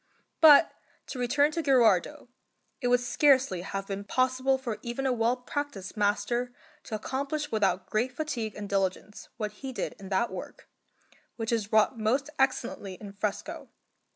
But to return to Gherardo; it would scarcely have been possible for even a well practised master to accomplish without great fatigue and diligence what he did in that work, which is wrought most excellently in fresco.